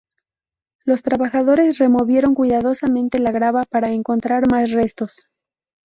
Los trabajadores removieron cuidadosamente la grava para encontrar más restos.